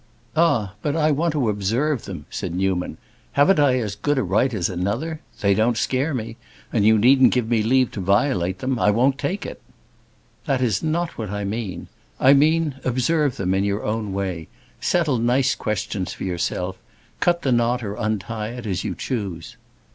"Ah, but I want to observe them," said Newman. "Haven't I as good a right as another? They don't scare me, and you needn't give me leave to violate them. I won't take it." "That is not what I mean. I mean, observe them in your own way. Settle nice questions for yourself. Cut the knot or untie it, as you choose."